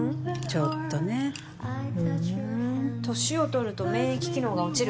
ちょっとねふうん歳を取ると免疫機能が落ちるっていうでしょ